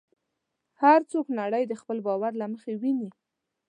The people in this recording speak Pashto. هر څوک نړۍ د خپل باور له مخې ویني.